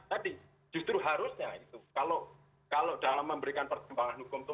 tapi justru harusnya kalau dalam memberikan pertimbangan hukum itu